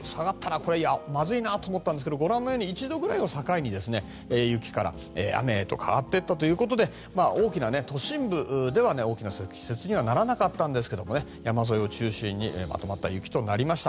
これはまずいなと思ったんですけど１度くらいを境に雪から雨へと変わっていったということで都心部では大きな積雪にはならなかったんですけど山沿いを中心にまとまった雪となりました。